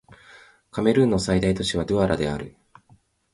カメルーンの最大都市はドゥアラである